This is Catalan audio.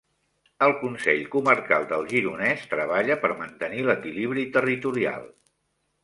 El Consell Comarcal del Gironès treballa per mantenir l'equilibri territorial.